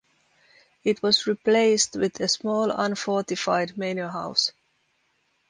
It was replaced with a small unfortified manor house.